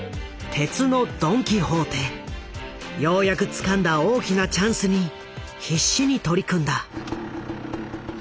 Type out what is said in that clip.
ようやくつかんだ大きなチャンスに必死に取り組んだ。